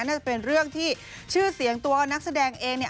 น่าจะเป็นเรื่องที่ชื่อเสียงตัวนักแสดงเองเนี่ย